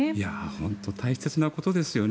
本当に大切なことですよね。